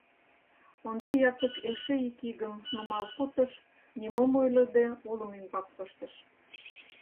Ондри Япык эше ик игым нумал пуртыш, нимом ойлыде олым ӱмбак пыштыш.